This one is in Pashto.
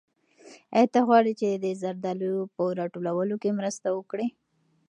آیا ته غواړې چې د زردالیو په راټولولو کې مرسته وکړې؟